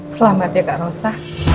selamat kak rosa